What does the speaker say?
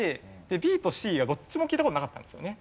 ＢとＣはどっちも聞いた事なかったんですよね。